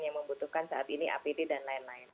yang membutuhkan saat ini apd dan lain lain